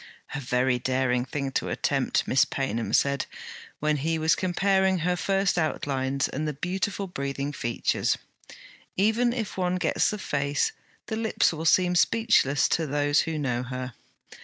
'A very daring thing to attempt,' Miss Paynham said, when he was comparing her first outlines and the beautiful breathing features. 'Even if one gets the face, the lips will seem speechless, to those who know her.'